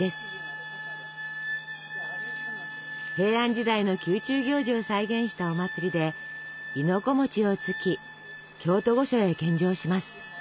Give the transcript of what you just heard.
平安時代の宮中行事を再現したお祭りで亥の子をつき京都御所へ献上します。